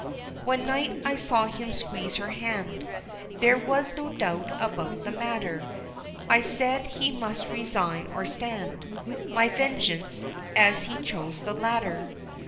One night I saw him squeeze her hand; There was no doubt about the matter; I said he must resign, or stand My vengeance and he chose the latter.